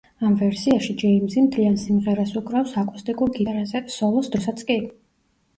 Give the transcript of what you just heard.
ამ ვერსიაში ჯეიმზი მთლიან სიმღერას უკრავს აკუსტიკურ გიტარაზე, სოლოს დროსაც კი.